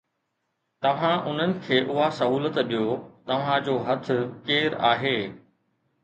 توهان انهن کي اها سهولت ڏيو، توهان جو هٿ ڪير آهي؟